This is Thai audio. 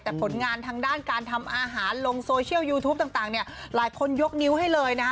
แต่ผลงานทางด้านการทำอาหารลงโซเชียลยูทูปต่างเนี่ยหลายคนยกนิ้วให้เลยนะฮะ